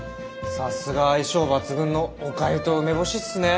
さすが相性抜群のおかゆと梅干しっすね。